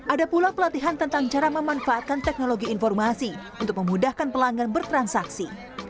ada pula pelatihan tentang cara memanfaatkan teknologi informasi untuk memudahkan pelanggan bertransaksi